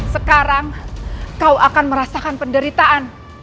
sekarang kau akan merasakan penderitaan